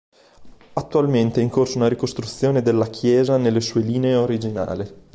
Attualmente è in corso una ricostruzione della chiesa nelle sue linee originali.